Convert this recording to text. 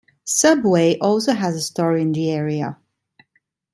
Subway also has a store in the area.